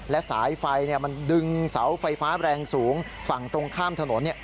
และสายไฟมันดึงเสาไฟฟ้าแรงสูงฝั่งตรงข้ามถนน